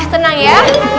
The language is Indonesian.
eh tenang ya